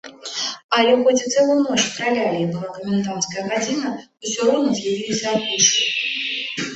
Але хоць і цэлую ноч стралялі і была каменданцкая гадзіна, усё роўна з'явіліся аркушы.